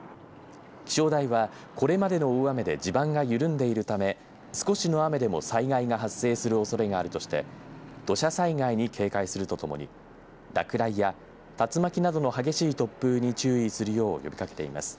気象台はこれまでの大雨で地盤が緩んでいるため少しの雨でも災害が発生するおそれがあるとして土砂災害に警戒するとともに落雷や竜巻などの激しい突風に注意するよう呼びかけています。